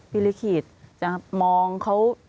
พิฤติจะมองเขา